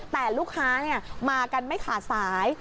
แต่ลูกค้ามากันไม่ขาดสาย